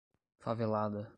Favelada